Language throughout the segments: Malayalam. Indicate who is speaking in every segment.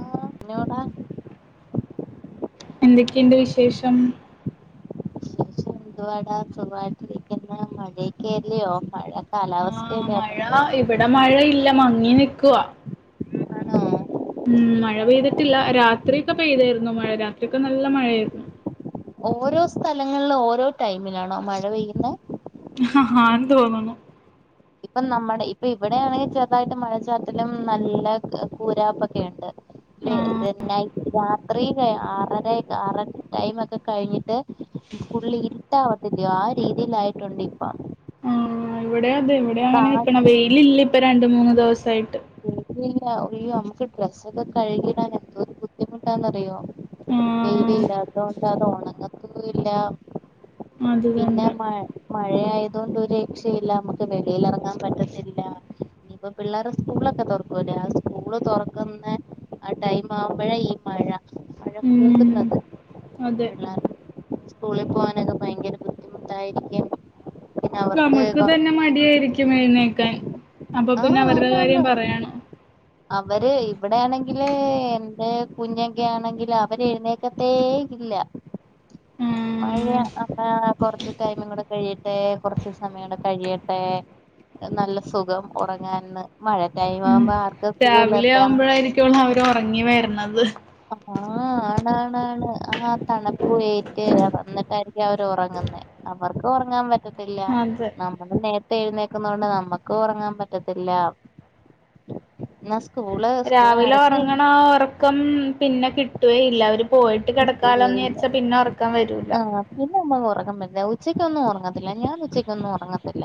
Speaker 1: ആഹ് ന്നോടാ
Speaker 2: എന്തൊക്കെയ്ണ്ട് വിശേഷം
Speaker 1: ന്തുവാടാ സുഖവായിട്ടിരിക്കുന്നൊ മഴയൊക്കെ അല്ലെയോ മഴ
Speaker 2: ആഹ്
Speaker 1: കാലാവസ്ഥല്
Speaker 2: മഴ ഇവിടെ മഴയില്ല മങ്ങി നിക്കുവാ
Speaker 1: ആണോ
Speaker 2: ഉം മഴ പെയ്തിട്ടില്ല രാത്രിയൊക്കെ പെയ്തേര്ന്നു മഴ രാത്രിയൊക്കെ നല്ല മഴയായിരുന്നു
Speaker 1: ഓരോ സ്ഥലങ്ങളിലും ഓരോ ടൈമിലാണോ മഴ പെയ്യ്ന്നേ
Speaker 2: ആഹ് തോന്നുന്നു
Speaker 1: ഇപ്പം നമ്മുടെ ഇപ്പ ഇവിടെയാണെങ്കി ചെറുതായിട്ട് മഴച്ചാറ്റലും നല്ല കൂരാപ്പൊക്കെ ഉണ്ട്
Speaker 2: ആഹ്
Speaker 1: ത് നൈ രാത്രി ആറരെക്കെ ആറര ടൈമൊക്കെ കഴിഞ്ഞിട്ട് ഫുള്ള് ഇരുട്ടാവത്തില്ലോ ആ രീതിലായിട്ടുണ്ട് ഇപ്പ
Speaker 2: ആഹ് ഇവിടെ അതെ ഇവിടെ അങ്ങനെ നിക്ക്ണെ
Speaker 1: കാറ്റും
Speaker 2: വെയിലില്ല ഇപ്പ രണ്ട മൂന്ന് ദിവസായിട്ട്
Speaker 1: ഇല്ലില്ല ഒയ്യോ നമുക്ക് ഡ്രസ്സൊക്കെ കഴുകിടാൻ എന്തൊരു ബുദ്ധിമുട്ടാന്നറിയോ വെയില്
Speaker 2: ആഹ്
Speaker 1: ഇല്ലാത്തോണ്ട് അത് ഒണങ്ങത്തുല്ല
Speaker 2: അത്
Speaker 1: പിന്നെ
Speaker 2: തന്നെ
Speaker 1: മ മഴയായതോണ്ട് ഒരു രക്ഷയില്ല നമുക്ക് വെളിയിലെറങ്ങാൻ പറ്റത്തില്ല ഇപ്പൊ പിള്ളേരെ സ്കൂളൊക്കെ തൊറ് ക്കൂലെ ആ സ്കൂള് തൊറക്കുന്ന ആ ടൈം ആവുമ്പഴാ ഈ മഴ മഴ
Speaker 2: ഉം
Speaker 1: കൂടുന്നത്
Speaker 2: അതെ
Speaker 1: പിള്ളാർക്ക് സ്കൂളിൽ പോകാനൊക്കെ ഭയങ്കര ബുദ്ധിമുട്ടായിരിക്കും പിന്നെ അവർക്ക്
Speaker 2: നമുക്ക് തന്നെ
Speaker 1: കൊറച്ച്
Speaker 2: മടിയായിരിക്കും എഴുന്നേക്കാൻ അപ്പ പിന്നെ
Speaker 1: ആഹ്
Speaker 2: അവരുടെ
Speaker 1: ആന്ന് ആന്ന്
Speaker 2: കാര്യം പറയണോ
Speaker 1: അവര് ഇവിടെയാണെങ്കില് എന്റെ കുഞ്ഞൊക്കെ ആണെങ്കില് അവര് എഴുന്നേ ക്കത്തേ ഇല്ല, മഴയ
Speaker 2: ആഹ്
Speaker 1: ഒക്കെ ഹ കൊറച്ച് ടൈമുകൂടെ കഴിയട്ടെ കൊറച്ച് സമയം കൂടെ കഴിയട്ടെ നല്ല സുഖം ഒറങ്ങാന്ന് മഴ
Speaker 2: ഉം
Speaker 1: ടൈംമാവുമ്പോ ആർ
Speaker 2: രാവിലെ ആവുമ്പഴായിരിക്കും അവര് ഒറങ്ങി വര്ണത്
Speaker 1: ആഹ് ആണ് ആണ് ആണ് ആ തണുപ്പ് ഏറ്റ് ഇന്നട്ടായിരിക്കും അവര് ഒറങ്ങുന്നേ നമർക്ക് ഒറങ്ങാൻ പറ്റത്തില്ല
Speaker 2: അതെ
Speaker 1: ന നമ്മള് നേരത്തെ എഴുന്നേൽക്കുന്നോണ്ട് നമ്മക്ക് ഒറങ്ങാൻ പറ്റത്തില്ല. ഇന്നാ ശെ
Speaker 2: രാവിലെ ഒറങ്ങണോ ഒറ് ക്കം പിന്നെ കിട്ടുവയില്ല അവര് പോയിട്ട് കെടക്കാലോന്ന്
Speaker 1: കിട്ടുകയില്ല
Speaker 2: വിചാരിച്ചാ പിന്നെ ഒറക്കം വരൂല
Speaker 1: ആഹ് പിന്നെ നമ്മള് ഒറങ്ങുന്നില്ല ഉച്ചക്കൊന്നും ഒറങ്ങത്തില്ല ഞാൻ ഉച്ചയ്കൊന്നും ഒറങ്ങത്തില്ല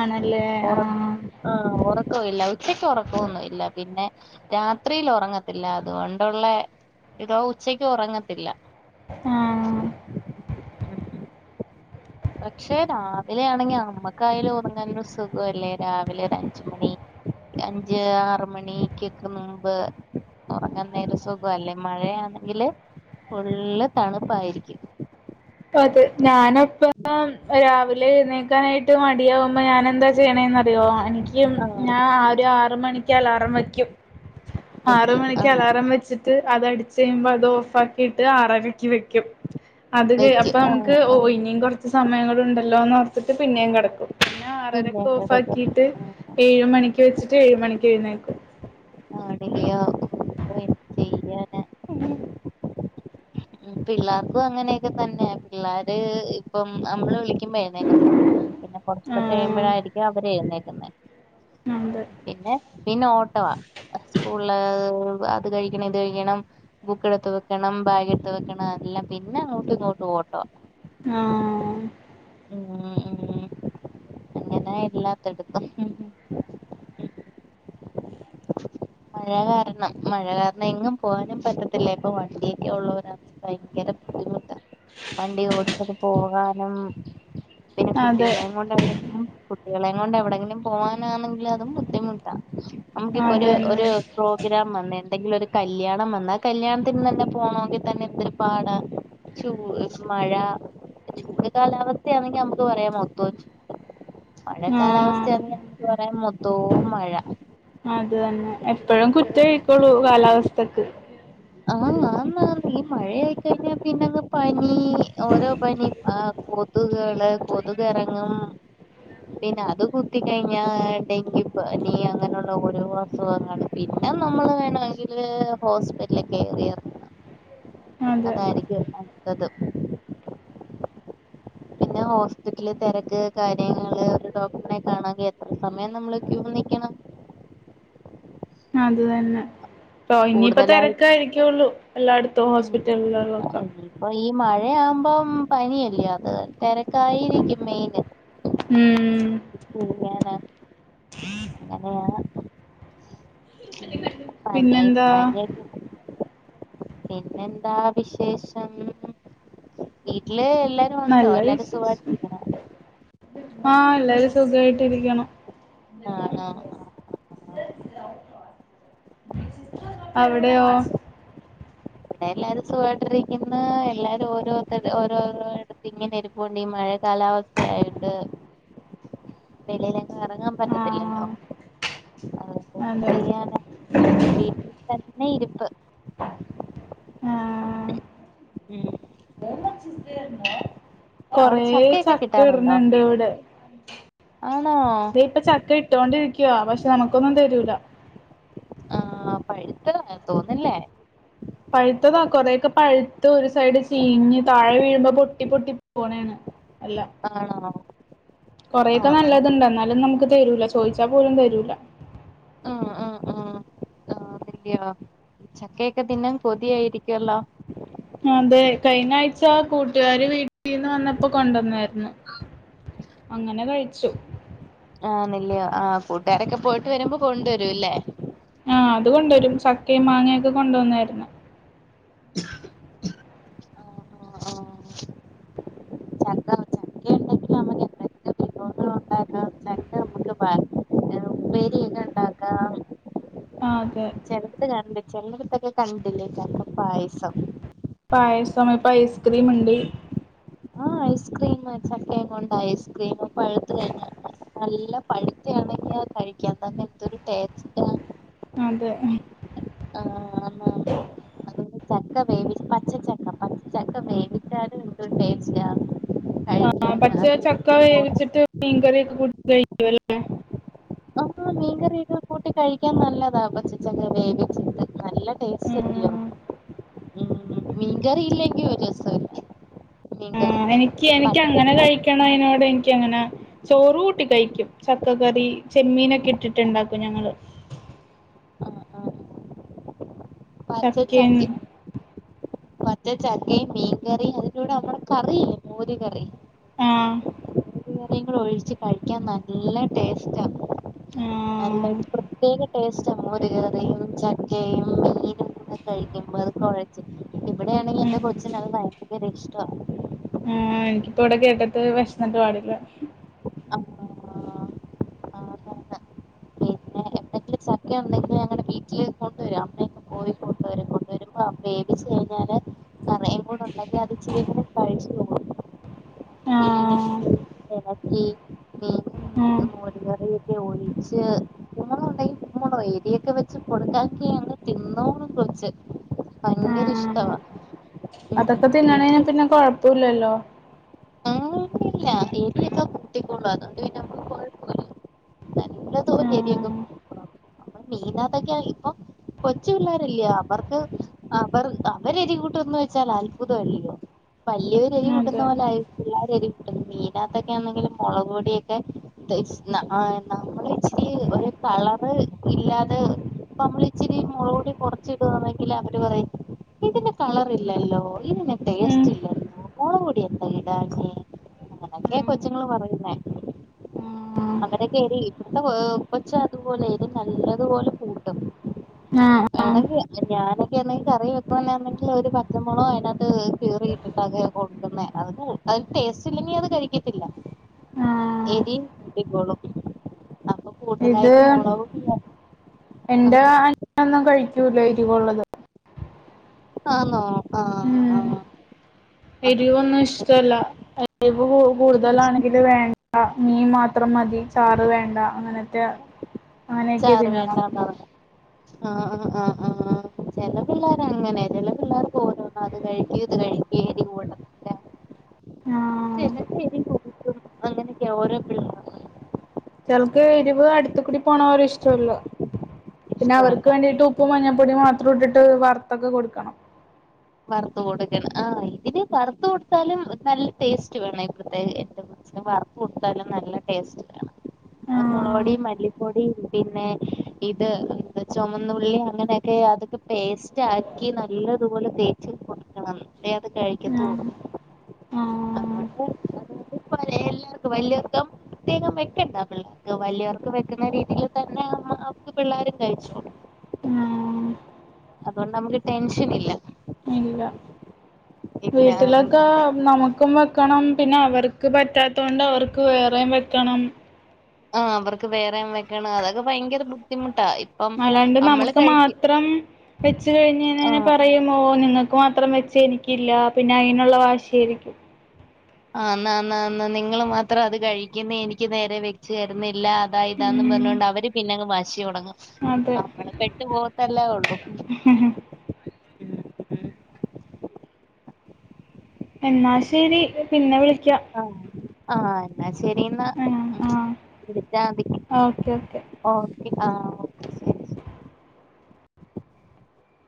Speaker 2: ആണല്ലേ ആഹ്.
Speaker 1: ആഹ് ഒറക്കവില്ല ഉച്ചയ്ക്ക് ഒറക്കവൊന്നുല്ല പിന്നെ രാത്രിയില് ഒറങ്ങത്തില്ല അതുകൊണ്ടുള്ളെ ഇതോ ഉച്ചയ്ക്ക് ഒറങ്ങത്തില്ല
Speaker 2: ആഹ്
Speaker 1: ഉം പക്ഷെ രാവിലെയാണെങ്കി അമ്മക്കായാലും ഒറങ്ങാനൊരു സുഖവല്ലേ രാവിലെ ഒരു അഞ്ച് മണി അഞ്ച് ആറ് മണിക്കൊക്കെ മുമ്പ് ഒറങ്ങുന്നേന് സുഖവല്ലേ മഴയാണെങ്കില് ഫുള്ള് തണുപ്പായിരിക്കും
Speaker 2: അതെ ഞാനൊക്കെ പ്പം രാവിലെ എഴുന്നേൽക്കാനായിട്ട് മടിയാവുമ്പ ഞാനന്താ ചെയ്യ്ണെന്നറിയോ എനിക്ക് ക്കും
Speaker 1: ആഹ്
Speaker 2: ഞാൻ ഒര് ആറ്മണിക്ക് അലാറം വെയ്ക്കും ആറ്
Speaker 1: വെക്കും
Speaker 2: മണിക്ക്
Speaker 1: ആഹ്
Speaker 2: അലാറം വെച്ചിട്ട് അതടിച്ചയുമ്പോ അത് ഓഫാക്കിട്ട് ആറരയ്ക്ക് വെക്കും അത് പി
Speaker 1: വെക്കും ആഹ്
Speaker 2: അപ്പമ്മക്ക്
Speaker 1: ആഹ്
Speaker 2: ഇനിയും കൊറച്ച് സമയങ്ങള്ണ്ടല്ലോന്ന് ഓർത്തിട്ട് പിന്നെയും കടക്കും പിന്നെ ആറരക്ക്
Speaker 1: പിന്നേം കിടക്കും
Speaker 2: ഓഫാക്കിട്ട്
Speaker 1: ആഹ്
Speaker 2: ഏഴ് മണിക്ക് വെച്ചിട്ട് ഏഴ് മണിക്ക് എഴുന്നേൽക്കും
Speaker 1: [unintelligible] എന്ത് ചെയ്യാനാ ഹ്മ്മ് പിള്ളാർക്കും അങ്ങനെയൊക്കെ തന്നെ പിള്ളാര് ഇപ്പം നമ്മളെ വിളി വിളിക്കുമ്പോ എഴുന്നേക്കത്തില്ല ക്കുമ്പോൾ എഴുനേൽക്കത്തില്ല പിന്നെ കൊറച്ച്
Speaker 2: ആഹ്
Speaker 1: കഴിയുമ്പഴായിരിക്കും അവര് എഴുന്നേക്കുന്നേ
Speaker 2: ഹ്മ്മ് അതെ.
Speaker 1: പിന്നെ പിന്നെ ഓട്ടവാ സ്കൂളില് അത് കഴിയണം ഇത് കഴിയണം ബുക്കെടുത്ത് വെക്കണം ബാഗെടുത്ത് വെക്കണം എല്ലാം പിന്നെ അങ്ങോട്ടും ഇങ്ങോട്ടും ഓട്ടവാ
Speaker 2: ആഹ്
Speaker 1: ഹ്മ്മ് ഹ്മ്മ് അങ്ങനെ എല്ലാ തിടുക്കം
Speaker 2: [inaudible]
Speaker 1: മഴ കാരണം മഴ കാരണം എങ്ങും പോവാനും പറ്റത്തില്ല ഇപ്പൊ വണ്ടിയൊക്കെ ഉള്ളവനാ ഭയങ്കര ബുദ്ധിമുട്ടാവണ്ടി ഓടിച്ചിട്ട് പോവാനും പിന്നെ
Speaker 2: അതെ
Speaker 1: കുട്ടികളെ കൊണ്ട് അവിടെങ്ങും കുട്ടികളെ കൊണ്ട് എവിടെങ്കിലും പോവാനാണെങ്കിലും അതും ബുദ്ധിമുട്ടാ നമുക്കിപ്പൊരു, ഒരു
Speaker 2: അതന്നെ
Speaker 1: പ്രോഗ്രാം വന്ന് എന്തെങ്കിലും ഒര് കല്യാണം വന്ന് ആ കല്യാണത്തിനൊന്ന് പോണോങ്കിൽ തന്നെ എന്തൊരുപാടാ ചൂ മഴ ചൂട് കാലാവസ്ഥയാണെങ്കി നമക്ക് പറയാ മൊത്തം മഴ
Speaker 2: ആഹ്
Speaker 1: കാലാവസ്ഥയാണെങ്കിൽ നമക്ക് പറയാം മൊത്തവും മഴ
Speaker 2: അത് തന്നെ എപ്പഴും കുറ്റായ്ര്ക്കൊള്ളൂ കാലാവസ്ഥക്ക്
Speaker 1: ആഹ്, ആ ന്ന് ഈ മഴയാ യിക്കഴിഞ്ഞാൽ പിന്നങ്ങ് പനി ഓരോ പനി ആഹ് പോ കൊത്കള്, കൊതുകെറങ്ങും പിന്നെ അത് കുത്തി കഴിഞ്ഞാ ഡെങ്കി പനി അങ്ങനെ ഉള്ള ഓരോ അസുഖങ്ങള് പിന്നെ നമ്മള് വേണെമെങ്കില് ഹോസ്പിറ്റലി കേറി എറങ്ങ
Speaker 2: അതെ
Speaker 1: അതായിരിക്കും നല്ലത്. പിന്നെ ഹോസ്പിറ്റല് തെരക്ക് കാര്യങ്ങള് ഒരു ഡോക്ടറെനെ കാണാങ്കിഎത്ര സമയം നമ്മള് ക്യൂ നിക്ക്യണം.
Speaker 2: അത് തന്നെ. ട്ടോ ഇനിയിപ്പ
Speaker 1: കൂടുതലായി
Speaker 2: തെരക്കാ യിരിക്ക്യോള്ളു. എല്ലായിടത തൊ ഹോസ്പിറ്റൽ [unintelligible] ളൊക്ക
Speaker 1: അപ്പൊ ഈ മഴയാവുമ്പം പനിയല്ലെ. അപ്പൊ അത് തെരക്കായിരിക്കും മെയിന്.
Speaker 2: ഉം
Speaker 1: ചെയ്യാന അങ്ങനെയ. പനി
Speaker 2: പിന്നെന്താ
Speaker 1: പനി. പിന്നെന്താ വിശേഷം വീട്ടില് എല്ല
Speaker 2: നല്ല വിശേഷം. ആഹ് എല്ലാരും സുഖയിട്ടരിക്ക്ണു.
Speaker 1: ആണൊ.
Speaker 2: അവിടെയോ.
Speaker 1: ഇവിടെ എല്ലാരും സുഖായിരിക്കുന്നു. എല്ലാരും ഓരോത്ത ഓരോരോ ഇടത്ത് ഇങ്ങനെ ഇരിപ്പ് പൊണ്ട് ഈ മഴ കാലാവസ്ഥയായിട്ട്. വെലിയിലെങ്ങു എറങ്ങാൻ പറ്റത്തില്ലല്ലൊ.
Speaker 2: ആഹ്
Speaker 1: അത് കൊണ്ട് പന്നെ
Speaker 2: അതെ
Speaker 1: ചെയ്യാന. നമ്മുടെ വീട്ടിൽ തന്നെ ഇരിപ്പ്.
Speaker 2: ആഹ്
Speaker 1: ഉം
Speaker 2: [unintelligible]
Speaker 1: അവിടെ
Speaker 2: കൊറേ
Speaker 1: ചക്കയൊക്കെ
Speaker 2: ചക്ക ഇടുണ്
Speaker 1: കിട്ടാറുണ്ടോ
Speaker 2: ഇണ്ട് ഇവിടെ.
Speaker 1: ആണോ
Speaker 2: ദെ ഇപ്പ ചക്ക ഇട്ടോകൊണ്ടിരിക്ക്യാെ.. പക്ഷെ നമുക്കൊന്നും തരൂല.
Speaker 1: ആഹ് പഴുത്തതാ തോന്ന്ല്ലെ.
Speaker 2: പഴുത്തതാ കുറേക്കെ പഴുത് ഒരു സൈഡ് ചീഞ്ഞ് താഴെ വീഴുമ്പോ പൊട്ടി പൊട്ടി പോണേണ് എല്ല
Speaker 1: ആണോ
Speaker 2: കൊറെക്കെ
Speaker 1: ആഹ് ആഹ്
Speaker 2: നല്ലത്ണ്ട്. എന്നാലും നമ്മക്ക് തരൂല. ചോയ്ച്ചാ പോലും തരൂല.
Speaker 1: ആഹ് ആഹ് ആഹ് ആഹ്. കുത്ത്യാേ. ചക്കയൊക്കെ തിന്നാ കൊതിയായിരിക്ക്കൊള്ളു
Speaker 2: അതെ കഴിഞ്ഞഴ്ച കൂട്ടുകാര് വീട്ട ട്ടിന്ന് വന്നപ്പം കൊണ്ടന്നേരുന്നു. അങ്ങനെ കഴിച്ചു
Speaker 1: ആന്ന് ല്യാെയോ ആ കൂട്ടുകാരൊക്കെ പോയിട്ട് വരുമ്പം കൊണ്ടുവരുല്ലേ ഫൂട്ടാരെക്കെ...
Speaker 2: ആഹ് അത് കൊണ്ടെരും. ചക്കയും മാങ്ങയൊക്കെ കൊണ്ടുവന്നായിര്ന്നു.
Speaker 1: ഓഹ് ഓ ഓ ചക്ക ആ ചക്ക ഒക്കെ പര് ഉപേരി എയ് ലാ ഇണ്ടാക്ക ഇണ്ടാക്കാം
Speaker 2: ആ അതെ.
Speaker 1: ചെലത്ത് കണ്ട് ചെലട്ത്തക്കെ കണ്ടില്ലേ ചക്ക പായസം
Speaker 2: പായസം ഇപ്പ ഐസ്ക്രീംണ്ട്.
Speaker 1: ആഹ് ഐസ്ക്രീം ചക്കേം കൊണ്ട ഐസ്ക്രീംണ്ട് പഴുത്ത് കഴിഞ നല്ല പഴുത്തയാന്നെങ്കി അത് കഴിക്കാൻതന്നെ എന്തൊരു ടേസ്റ്റ്
Speaker 2: അതെ
Speaker 1: ആഹ് ആന്ന് ആണ് ചക്ക വേവി പച്ചച്ചക്ക പച്ചച്ചക്ക വേവിച്ചാലും എന്തൊരു ടെസ്റ്റാ.
Speaker 2: ആഹ് പച്ച ചക്ക വേവിച്ചിട്ട് മീൻകറിയൊക്കെ കൂട്ടി കഴിക്ക്വല്ലോ
Speaker 1: ആ മീൻകറിയൊക്കെ കൂട്ടി കഴിക്കാൻ നല്ലതാ പചച്ചക്ക വേവിച്ചിട്ട് നല്ല
Speaker 2: ആ
Speaker 1: ടേസ്റ്റ്ല്ലയോ ഉം ഉം മീൻകറിയില്ലെങ്കിൽ ഒരു രസൊല്ല
Speaker 2: ആഹ് എനിക്ക് എനിക്ക് അങ്ങനെ കഴിക്കണയ്നോട് എനിക്കങ്ങന ചോറ് കൂട്ടി കഴിക്കും ചക്കക്കറി ചെമ്മീനൊക്കെ ഇട്ടിട്ട്ണ്ടാക്കും ഞങ്ങള്
Speaker 1: ആഹ് ആഹ് ആഹ്
Speaker 2: ചക്കയും
Speaker 1: പച്ചച്ചക്കിം പച്ച ചക്കയും മീൻകറിയും അതിന്റെൂടെ നമ്മളെ കറില്ലേ മോര് കറി
Speaker 2: ആഹ്
Speaker 1: മീൻ കറിങ്കുടെ ഒഴിച്ച് കഴിക്കാൻ നല്ല ടേസ്റ്റ്
Speaker 2: ആ
Speaker 1: നല്ലരു പ്രത്യേക ടേസ്റ്റ് മുരുകറിയും ചക്കയും മീനും കൂടെ കഴിക്കുമ്പോ അത് കോയ ച്ച് ഇവിടെയാണെങ്കി എന്റെ
Speaker 2: ഉം
Speaker 1: കൊച്ചിന് ഭയങ്കര ഇഷ്ട
Speaker 2: ആഹ് എനിക്കിപ്പോ ഇവിടെ കേട്ടിട് വിശന്നിട്ട പാടില്ല
Speaker 1: ഓ ആ ആത ന്നെ
Speaker 2: [inaudible]
Speaker 1: വീട്ട ചക്ക ഉണ്ടെങ്കിൽ ഞങ്ങെ വീട്ടില് കൊണ്ടുവരും അമ്മയൊക്കെ പോയി കൊണ്ടരെ കൊണ്ടുവരുമ്പോ വേവിച്ച് കഴിഞ്ഞാല് കറയും കൂടെ ഉണ്ടെങ്കി അത് ഇച്ചിരി ഇങ്ങനെ കഴിച്ചു പോവും [unintelligible] മീൻ
Speaker 2: ആഹ് ആഹ്
Speaker 1: കറിയൊക്കെ ഒഴിച്ച് [unintelligible] [unintelligible] എരിയൊക്കെ വെച്ച് കൊടുക്കാക്കിന്ന് തിന്നോള്ളും കൊച്ച് ഭങ്കര
Speaker 2: ആഹ്
Speaker 1: ഇഷ്ടവാ ഉം
Speaker 2: അതൊക്കെ തിന്നണാ
Speaker 1: എരി
Speaker 2: പിന്നെ കൊഴപ്പില്ലല്ലോ
Speaker 1: ഇല്ല [unintelligible] [unintelligible]
Speaker 2: ആഹ്
Speaker 1: [unintelligible] അതൊക്കെ ഇപ്പൊ കൊച്ചു പിള്ളോരല്ല അവർക്ക് അവർ അവരെരി കൂട്ടന്ന് വെച്ചാൽ അത്ഭുതമല്ലയോ വലിയൊരു എരുവ് കൂട്ടുന്ന
Speaker 2: അതെ
Speaker 1: പോലെ ആയിരിക്കില്ല പിള്ളേര് എരിവ് കൂട്ടുന്നത് മീനകത്തൊക്കെ ആണെങ്കില് മുളക് പൊടിയൊക്കെ [unintelligible] ആ നമ്മള് ഇച്ചിരി ഒരു കളറ് ഇല്ലാതെ പ്പ നമ്മളെ ഇച്ചിരി മുളകുപൊടി കുറച്ചിടന്നെങ്കിൽ അവര് പറയും ഇതിന് കളർ ഇല്ലല്ലോ ഇതിന്
Speaker 2: ഉം
Speaker 1: ടേസ്റ്റ് ഇല്ലല്ലോ മുളകുപൊടി എന്താ ഇടാന് അങ്ങനെക്കെ
Speaker 2: ഉം
Speaker 1: കൊച്ചുങ്ങൾ പറയുന്നേ
Speaker 2: ഉം
Speaker 1: അങ്ങനൊക്കെരി ഇവിടുത്തെ കൊച്ച അതുപോലെ എരി നല്ലതുപോലെ കൂട്ടും
Speaker 2: ആഹ
Speaker 1: വേണെങ്കിൽ ഞാനൊക്കെ എന്തെങ്കിൽ കറി വെക്കന്നെങ്കിൽ ഒരു പച്ചമുളോ അതിനകത്ത് കറിട്ട് [unintelligible] കൊടുക്കുന്ന അഹ് ടേസ്റ്റ് ഇല്ലെങ്കി അത് കഴിക്കത്തില്ല
Speaker 2: ഉ
Speaker 1: എരി കൂട്ടിക്കോളും അപ്പൊ
Speaker 2: ഇത്
Speaker 1: കൂടുതലായിട്ട് മുളക ഇല്ല
Speaker 2: എന്റെ അനിയാനൊന്നും കഴിക്കൂലോ ഇരിവുള്ളത്
Speaker 1: ആണോ ആഹ
Speaker 2: ഉം എരിവൊന്നും
Speaker 1: ആഹ്
Speaker 2: ഇഷ്ടല്ല എരുവ് കൂടുതലാണെങ്കില് വേണ്ട മീൻ മാത്രം മതി ചാറ് വേണ്ട അങ്ങനത്തെ അങ്ങനെയൊക്കെ തിന്നണം
Speaker 1: ആഹ ആഹ ആഹ് ആഹ ആ ചെല പിള്ളേർ അങ്ങനെ ചെല പിള്ളേർ പോരോന്ന അത് കഴിക്ക ഇത് കഴിക്ക ഏരിവ് കൂടെ
Speaker 2: ആഹ
Speaker 1: [unintelligible] അങ്ങനെയൊക്കെ ഓരോ പിള്ള
Speaker 2: ട്ട്യൾക്ക് ഇരുവ് അടുത്ക്കുടി പോകുന്നത് ഇഷ്ടല്ല പിന്നെ
Speaker 1: ഇഷ്ടമല്ല
Speaker 2: അവർക്ക് വേണ്ടിട്ട് ഉപ്പ് മഞ്ഞപ്പൊടി മാത്രം ഇട്ടിട്ട് വറുത്തൊക്കെ കൊടുക്കണം
Speaker 1: വറുത് കൊടുക്കണം ആഹ് ഇതിന് വറുത്തു കൊടുത്താലും നല്ല ടേസ്റ്റ് വേണം ഇ പ്രത്യേക [unintelligible] ത് വറുത്തു കൊടുത്താലും നല്ല ടേസ്റ്റ്ന്നേണ് അത് മുള
Speaker 2: ആഹ്
Speaker 1: പൊടി മല്ലിപ്പൊടി പിന്നെ ഇത് ചുവന്നുള്ളി അങ്ങനെയൊക്കെ അതൊക്കെ ട്ടേസ്റ്റാ കി നല്ലതുപോലെ തേച്ചിൽ കൊടുക്കണം അല്ലെ അത് കഴിക്കത്തൂ
Speaker 2: ആഹ് ആഹ്
Speaker 1: ഇപ്പ [unintelligible] പ്രത്യേകം വെക്കണ്ടാ പിള്ളേർക്ക് വലിയവർക്ക് വെക്കുന്ന രീതിയിൽ തന്നെ ആ അവക്ക് പിള്ളേരും കഴിച്ചോ
Speaker 2: ആഹ്
Speaker 1: അതുകൊണ്ട് നമുക്ക് ടെൻഷൻ ഇല്ല
Speaker 2: ഇല്ല
Speaker 1: ഇല്ല
Speaker 2: വീട്ടിലൊക്കെ നമുക്കും വെക്കണം പിന്നെ അവർക്ക് പറ്റാത്തോണ്ട് അവർക്ക് വേറെയും വെക്കണം
Speaker 1: ആഹ് അവർക്ക് വേറെ വെക്കാണാ അതൊക്കെ ഭയങ്കര ബുദ്ധിമുട്ടാ ഇപ്പം
Speaker 2: മല്ലാണ്ട്
Speaker 1: നമ്മള്
Speaker 2: നമുക്ക്
Speaker 1: കഴിക്കും
Speaker 2: മാത്രം വെച്
Speaker 1: ആ
Speaker 2: കഴിഞേനെന്നെ പറയ മോന് ങ്ങക്ക് മാത്രം വെച്ച് എനിക്കില്ല പിന്നെ അയ്നുള്ള വാശി ആയിരിക്കും
Speaker 1: ആന്ന്. ആന്ന് ആന്ന് നിങ്ങൾ മാത്രം അത് കഴിക്കുന്ന എനിക്ക് നേരെ വെച്ചു തരുന്നില്ല അതാ ഇതാന്ന്
Speaker 2: ഉം
Speaker 1: പറഞ്ഞോൊണ്ട് അവര് പിന്നെങ്ങ് വാശി യൊടങ്ങും
Speaker 2: അതെ
Speaker 1: നമ്മള് പെട്ടു പോകത്തെല്ലേ ഉള്ളു
Speaker 2: എന്നാ ശരി പിന്നെ വിളിക്കാം
Speaker 1: ആഹ് ആഹ് എന്നാ ശരി എന്നാ
Speaker 2: ആഹ് ആഹ്
Speaker 1: വിളിച്ചാതി
Speaker 2: ഓക്കെ ഓക്കെ
Speaker 1: ഓക്കെ ആഹ്